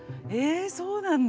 えそうなんだ。